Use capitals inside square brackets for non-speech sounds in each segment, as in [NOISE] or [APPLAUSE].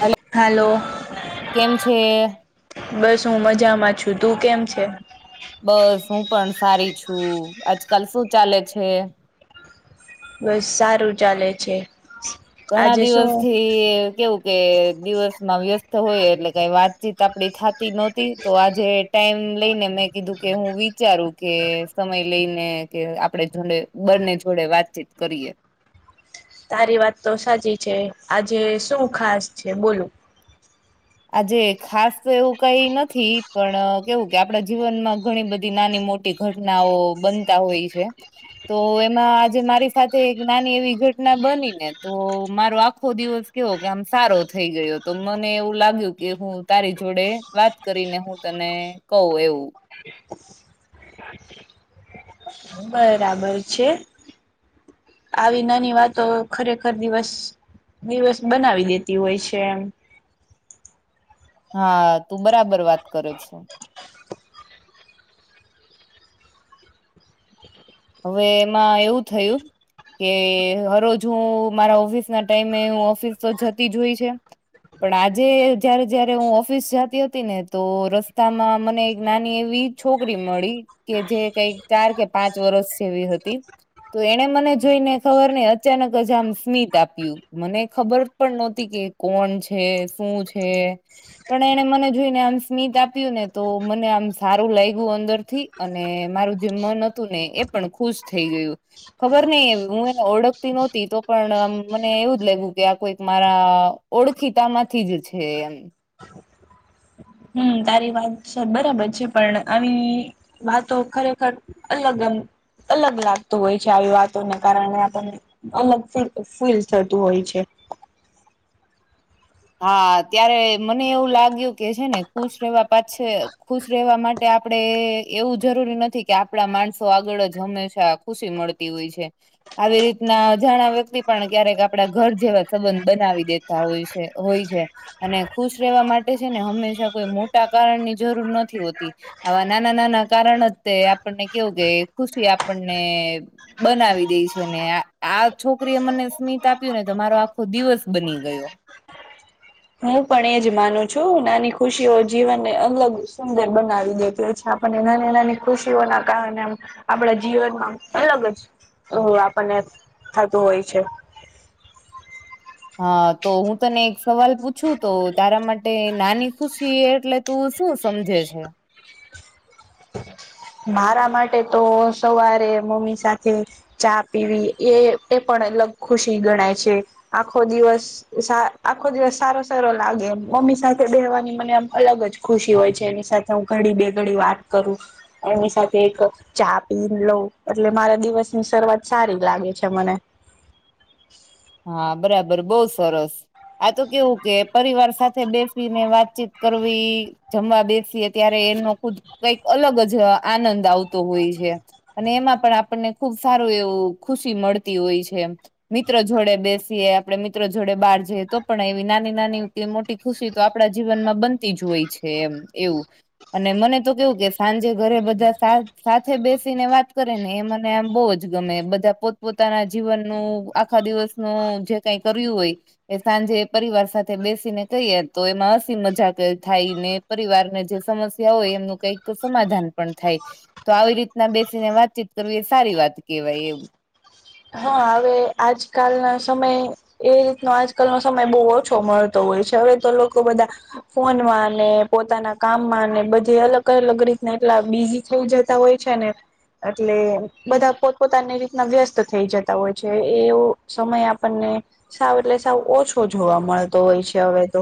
Hello hello કેમ છે? બસ હું મજામાં છું તું કેમ છે? બસ હું પણ સારી છું આજકાલ શું ચાલે છે? બસ સારું ચાલે છે. ઘણાં આજે શું દિવસથી એ કેવું કે દિવસમાં વ્યસ્ત હોય એટલે કંઈ વાતચીત આપળી થાતી નહોતી. તો આજે ટાઈમ લઈને મેં કીધું કે હું વિચારું કે સમય લઈને કે આપણે જોડે બંને જોડે વાતચીત કરીએ. તારી વાત તો સાચી છે આજે શું ખાસ છે બોલો આજે ખાસ તો એવું કઈ નથી પણ કેવું કે આપડા જીવન માં ઘણી બધી નાની મોટી ઘટનાઓ બનતા હોય છે. તો એમાં આજે મારી સાથે એક નાની એવી ઘટના બની ને તો મારો આખો દિવસ કેવો કે આમ સારો થઈ ગયો તો મને એવું લાગ્યું કે હું તારી જોડે વાત કરીને હું તને કવ એવું બરાબર છે. આવી નાની વાતો ખરેખર દિવસ દિવસ બનાવી દેતી હોય છે એમ. હા તું બરાબર વાત કર છ. હવે એમાં એવું થયું કે હરોજ હું મારા ઓફિસ નાં ટાઈમે હું ઓફિસ તો જતી જોઈ છે. પણ આજે જયારે જયારે હું ઓફિસ જતી હતી ને તો રસ્તામાં મને એક નાની એવી છોકરી મળી કે જે કંઈ ચાર કે પાંચ વરસ જેવી હતી. તો એણે મને જોઈને ખબર નઈ અચાનક જ આમ સ્મિત આપ્યું મને ખબર પણ નોતી કે કોણ છે શું છે? પણ એને મને જોઈને આમ સ્મિત આપ્યું ને તો મને આમ સારું લાયગુ અંદરથી અને મારું જે મન હતું ને એ પણ ખુશ થઈ ગયું. ખબર નઈ હું એને ઓળખતી નહોતી તો પણ આમ મને એવું જ લાયગુ કે આ કોઈક મારાં ઓળખીતા માંથી જ છે એમ. હમ તારી વાત છે બરાબર છે પણ આવી વાતો ખરેખર અલગમ અલગ લાગતું હોય છે આવી વાતોને કારણે આપણને. અલગ ફૂલ અ ફીલ થતું હોય છે. હા ત્યારે મને એવું લાગ્યું કે છે ને ખુશ રહેવા પાછે ખુશ રહેવા મા એ આપણેે એવું જરૂરી નથી કે આપણા માણસો આગળ જ હંમેશા ખુશી મળતી હોય છે આવી રીતના કરે અજાણા વ્યક્તિ પણ ક્યારેક આપડા ઘર જેવા સંબંધ બનાવી દેતા હોય છે. હોય છે અને ખુશ રહેવા માટે છે ને હંમેશા કોઈ મોટા કારણ ની જરૂર નથી હોતી આવા નાના નાના કારણ તે આપણને કેવું કે ખુશી આપણને બનાવી દે છે ને આ છોકરી એ મને સ્મિત આપ્યું ને તો મારો આખો દિવસ બની ગયો. હું પણ એજ માનું છું. નાની ખુશીઓ જીવનને અલગ સુંદર બનાવી દેતો છે. અને નાની નાની ખુશીઓના કારણે આપણા જીવનમાં અલગ જ હું આપણને થાતું હોય છે. હા તો હું તને એક સવાલ પૂછું તો તારા માટે નાની ખુશી એટલે તું શું સમજે છે. મારા માટે તો સવારે મમ્મી સાથે ચા પીવી એ એ પણ અલગ ખુશી ગણાય છે. આખો દિવસ આખો દિવસ સારો સારો લાગે એમ મમ્મી સાથે બેહવાની મને એમ અલગ જ ખુશી હોય છે. એની સાથે હું ઘડી બેઘડી વાત કરું એની સાથે એક ચા પી લવ એટલે મારા દિવસ શરૂઆત સારી લાગે છે મને હા બરાબર બઉુ સરસ આ તો કેવું કે પરિવાર સાથે બેસીને વાતચીત કરવી જમવા બેસીએ ત્યારે એનો ખુદ કઈક અલગ જ આનંદ આવતો હોય છે. અને એમાં પણ આપણને ખુબ સારું એવું ખુશી મળતી હોય છે. મિત્ર જોડે બેસીએ આપણે મિત્રો જોડે બહાર જઈએ તો પણ એવી નાની નાની મોટી ખુશી તો આપણા જીવનમાં બન તે જોય છે એમ એવું અને મને તો કેવું સાંજે ઘરે બધા સાથે બેસીને વાત ને એ મને આમ બઉ જ ગમે બધા પોતપ પોતાના જીવનનું આખા દિવસ ન જે કઈ કર્યું હોય એ સાંજે પરિવાર સાથે બેસીને કહીએ તો એમાં હસી મજાક થાયને પરિવારને જે સમસ્યા હોય એમનું કઈક સમાધાન પણ થાય તો આવી બેસીને વાતચીત કરવી સારી વાત કેહેવાય એમ હા હવે આજકાલ ના સમયે એ રીતનો આજકાલનો સમય બહુ ઓછો મળતો હોય છે હવે તો લોકો બધા ફોનમાં ને પોતાના કામમાં ને બધી અલગ અલગ રીતના એટલા બીજી થઈ જતા હોય છે ને એટલે બધા પોતપોતાની રીતના વ્યસ્ત થઈ જતા હોય છે એવો સમય આપણને સાવ એટલે સાવ ઓછો જોવા મળતો હોય છે હવે તો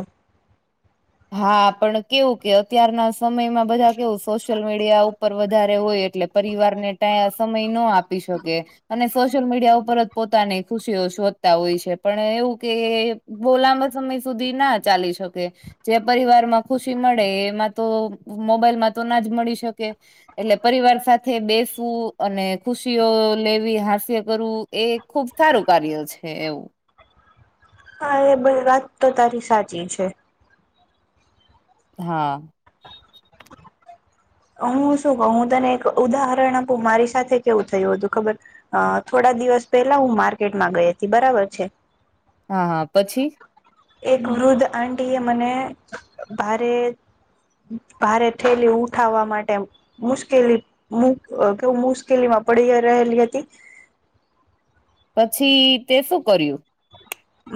હા પણ કેવું કે અત્યારના સમયમાં બધા કેવું સોશિયલ મીડિયા ઉપર વધારે હોય એટલે પરિવાર ને ટે સમય નો આપી શકે અને સોશિયલ મીડિયા ઉપર જ પોતાની ખુશીઓ શોધતા હોય છે પણ એવું કે બઉં લાંબા સમય સુધી ના ચાલી શકે જે પરિવારમાં ખુશી મળે એમાં તો મોબાઈલમાં તો ના જ મળી શકે એટલે પરિવાર સાથે બેસવું અને ખુશીઓ લેવી હાસ્ય કરવું એ ખુબ સારું કાર્ય છે એવું. હા એ બધી વાત તો તારી સાચી છે. હા હું શું કહું હું તને એક ઉદાહરણ આપું મારી સાથે કેવું થયું હતું ખબર અ થોડા દિવસ પેલા હું માર્કેટમાં ગઈ હતી બરાબર છે હા હા પછી એક વૃદ્ધ આંટી એ મને ભારે ભારે થેલી ઉઠાવા માટે એમ મુશ્કેલી મુ અ ક મુશ્કેલીમાં પડી અ રેહેલી હતી પછી તે શું કર્યું?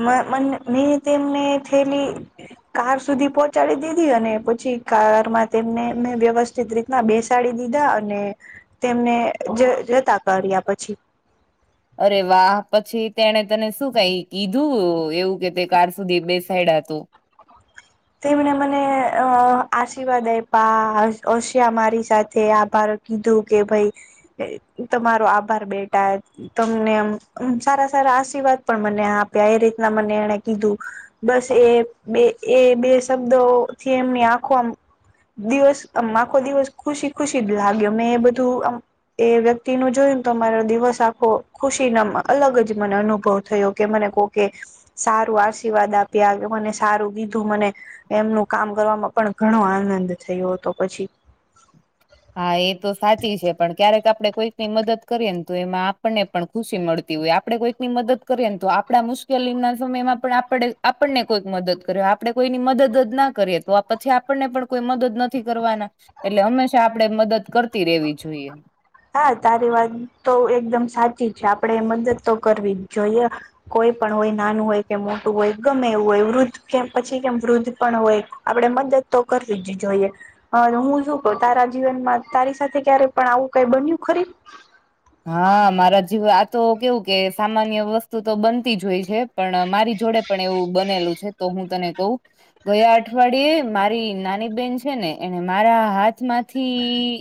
મ મંન મેં તેમને થેલી કાર સુધી પોંચાડી દીધી અને પછી કારમાં તેમને મેં વ્યવસ્થિત રીત ના બેસાડી દીધા અને તેમને જ જતા કર્યા પછી. અરે વા પછી તેને તને શું કઈ કીધું એવું કે તે કાર સુધી બેસાયડા તો. તેમણે મને અપ અ આશીર્વાદ આયપા હશ હશિયા મારી સાથે આભાર કીધું કે ભઈ અ ઈ તમારો આભાર બેટા તમને એમ અમ સારા સારા આશીર્વાદ પણ મને આપ્યા એ રીતના મને એણે કીધું બસ એ બે એ બે શબ્દોથી એમની આખો અમ દિવસ અમ આખો દિવસ ખુશી ખુશી જ લાગ્યો મેં બધું અમ એ વ્યક્તિ નું જોયું તો મારો દિવસ આખો ખુશી નમ અલગ જ મને અનુભવ થયો કે મને કોકે સારું આશીર્વાદ આપ્યા એવું મને સારું કીધું મને એમનું કામ કરવામાં પણ ઘણો આનંદ થયો તો પછી. હા એ તો સાચી છે પણ ક્યારેક આપળે કોઈક ની મદદ કરીએ ને તો એમાં આપણને પણ ખુશી મળતી હોય આપડે કોઈક ની મદદ કરીએને તો આપળા મુશ્કેલી ના સમયમાં પણ આપડે આપણને કોઈક મદદ કરે આપડે કોઈની મદદ જ ના કરીએ તો પછી આપણને પણ કોઈ મદદ નથી કરવાના એટલે હંમેશા આપળે મદદ કરતી રેવી જોઈએ. હા તારી વાત તો એકદમ સાચી છે આપળે મદદ તો કરવી જ જોઈએ કોઈ પણ હોય નાનું હોય કે મોટું હોય ગમે એવું હોય વૃદ્ધ કેમ પછી કેમ વૃદ્ધ પણ હોય આપડે મદદ તો કરવી જ જોઈએ હને હું શું કંવ તારા જીવનમાં તારી સાથે ક્યારે પણ આવું કઈ બન્યું ખરી? હા મારા જિવ આ તો કેવું કે સામાન્ય વસ્તુ તો બનતી જ હોય છે પણ મારી જોડે પણ એવું બનેલું છે તો હું તને કંવ ગયા અઠવાડિયે મારી નાની બેન છે ને એને મારા હાથ માંથી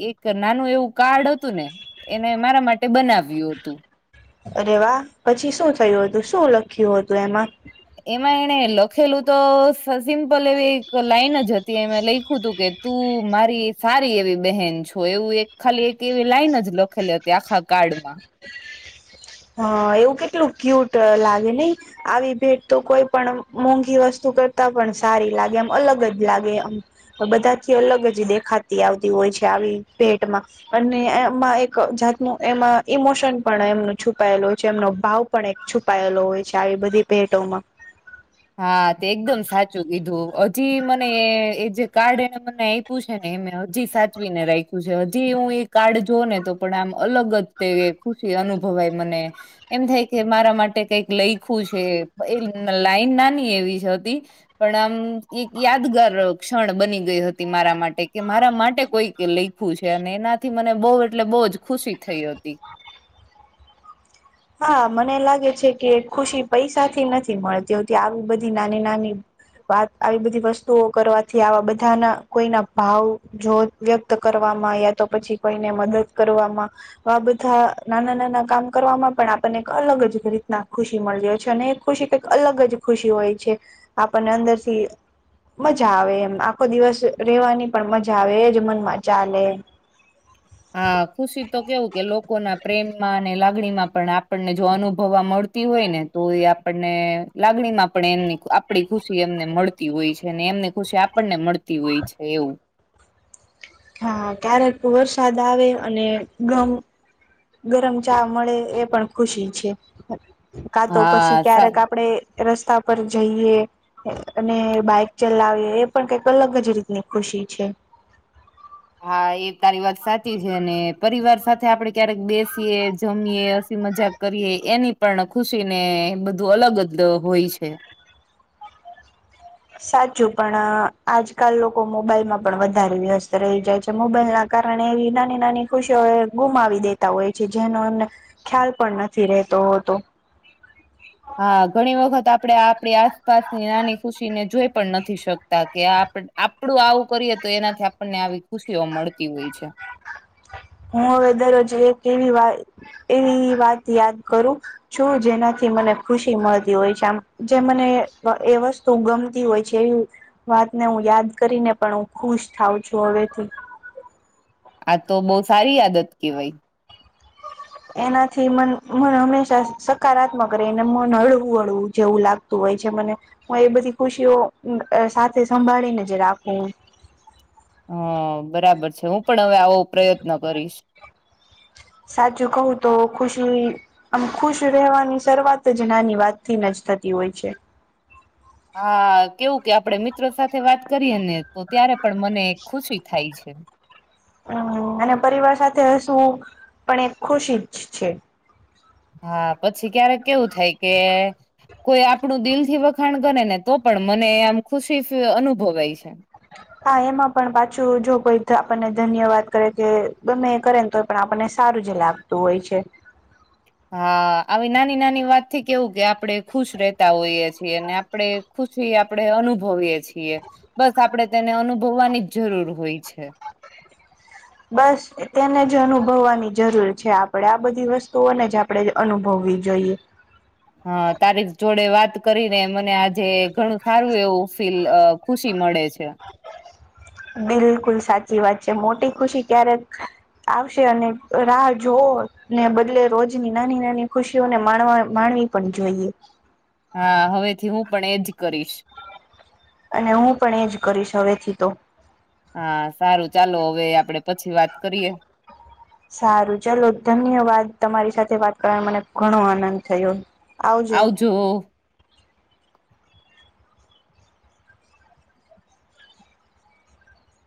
એ ક નાનું એવું કાર્ડ અતું ને એને મારા માટે બનાવ્યું અતું. અરે વા પછી શું થયું અતું શું લખ્યું હતું એમાં? એમાં એને લખેલું તો સ સિમ્પલ એવી એક લાઈન જ હતી એમાં લયખુ તું કે તું મારી સારી એવી બહેન છો એવું એક ખાલી એક એવી લાઈન જ લખેલી હતી આખા કાર્ડમાં. હ એવું કેટલું ક્યુટ લાગે નય આવી ભેટ તો કોઈ પણ મોંઘી વસ્તુ કરતા પણ સારી લાગે એમ અલગ જ લાગે અમ બધાથી અલગ જ દેખાતી આવતી હોય છે આવી ભેટમાં અને એમાં એક જાતનું એમાં ઈમોશન પણ એમનું છુપાયેલો હોય છે એમનો ભાવ પણ એક છુપાયેલો હોય છે આવી બધી ભેટોમાં. હા તે એકદમ સાચું કીધું હજી મને એ જે કાર્ડ એને મને આ પુ છે ને એ હજી સાચવીને રાખ્યું છે હજી હું ઈ કાર્ડ જો ને તો પણ આમ અલગ જ તેવી એ ખુશી અનુભવાય મને એમ થાય કે મારા માટે કઈક લઈખું છે એ લાઈન નાની એવી જ હતી પણ આમ ઈ યાદગાર ક્ષણ બની ગઈ હતી મારા માટે કે મારા માટે કોઈ કે લઈખ્યું છે અને એનાથી મને બો એટલે બો જ ખુશી થઈ હતી. હા મને લાગે છે કે ખુશી પૈસાથી નથી મળતી હોતી આવી બધી નાની નાની વાત આવી બધી વસ્તુઓ કરવાથી આવા બધાના કોઈના ભાવ જોત વ્યક્ત કરવામાં યા તો પછી કોઈને મદદ કરવામાં આ બધા નાના નાના કામ કરવામાં પણ આપણને એક અલગ જ રીતના ખુશી મલે છે, અને એ ખુશી કંઈક અલગ જ ખુશી હોય છે. આપણને અંદરથી મજા આવે એમ આખો દિવસ રેવાની પણ મજા આવે એ જ મનમાં ચાલે હા ખુશી તો કેવું કે લોકો પ્રેમમાંને લાગણીમાં પણ આ પણને જો અનુભવવા મળતી હોય ને તો એ આપણને લાગણીમાં પણ એને આ પડી ખુશી એમને મળતી હોય છે, ને એમની ખુશી આપણને મળતી હોય છે, એવું હા ક્યારેક વરસાદ આવે અને ગ ગરમ ચા મળે એ પણ ખુશી છે, કા તો હા પછી સા ક્યારેક આપડે રસ્તા પર જઈએ. અને બાઈક ચલાવી એ પણ કઈક અલગ જ રીતની ખુશી છે. હા એ તારી વાત સાચી છે, ને પરિવાર સાથે આપડે, ક્યારેક બેસીએ, જમીએ, હસી મજાક કરીએ એની પણ ખુશી ને બધું અલગ જ હોય છે. સાચું પણ આજકાલ લોકો મોબાઈલમાં પણ વધારે વ્યસ્ત રહી જાય છે, મોબાઈલ ના કારણે એવી નાની નાની ખુશીઓ ગુમાવી દેતા હોય છે, જેનો એમને ખ્યાલ પણ નથી રહેતો હોતો હા ઘણી વખત આપણે આપણી આસપાસની નાની ખૂશીને જોઈ પણ નથી શક તા કે આપડું આવું કરીએ તો એનાથી આપણને આવી ખુશીઓ મળતી હોય છે. હું હવે દરરોજ એક એવી વા એવી વાત એવી વાત યાદ કરું છું જેનાથી મને ખુશી મળતી હોય છે, આમ જે મને એ વસ્તુ ગમતી હોય છે, એ વાતને હું યાદ કરીને પણ હું ખુશ થાઊં છું હવેથી આ તો બો સારી આદત કેવાય. એનાથી મન મન હંમેશા સકારાત્મક રહીને મન હળવું હળવું જેવું લાગતું હોય છે, મને હું એ બધી ખુશીઓ સાથે સંભાળીને જ રાખું હ બરાબર છે, હું પણ હવે આવો પ્રયત્ન કરીશ. સાચું કઉ તો ખુશી આમ ખુશ રહેવાની શરૂઆત જ નાની વાત થીન જ થતી હોય છે. હા કેવું કે આપડે મિત્રો સાથે વાત કરીએ ને તો ત્યારે પણ મને ખુશી થાય છે. હ અને પરિવાર સાથે હસવું પણ એક ખુશી જ છે. હા પછી ક્યારેક કેવુ થાય કે કોઈ આપણું દિલથી વખાણ કરે ને તો પણ મને આમ ખુશી અનુભવાય છે. હા એમાં પણ પાછું જો કોઈ આપણને ધન્યવાદ કરે કે ગમે કરેને તો પણ આપણને સારું જ લાગતું હોય છે. હા આવી નાની નાની વાતથી કેવું કે આપડે ખુશ રતા હોઈએ છીએ ને આપડે ખુશી આપડે અનુભવીએ છીએ બસ આપડે તેને અનુભવવાની જ જરૂર હોય છે. બસ તેને જ અનુભવવાની જરૂર છે, આપણેે આ બધી વસ્તુઓને જ આપણે અનુભવવી જોઈએ. હ તારીખ જોડે વાત કરીને મને આજે ઘણું સારું એવું ફીલ અ ખુશી મળે છે. [INAUDIBLE] બિલકુલ સાચી વાત છે, મોટી ખુશી ક્યારેક આવશે અને રાહ જોઓ ને બદલે રોજની નાની નાની ખુશીઓને માણવા માણવી પણ જોઈએ. હા હવેથી હું પણ એજ કરીશ અને હું પણ એજ કરીશ હવેથી તો હા સારું ચાલો હવે આપડે પછી વાત કરીએ. સારું ચાલો ધન્યવાદ તમારી સાથે વાત કરવા મને ઘણો આનંદ થયો. આવજો.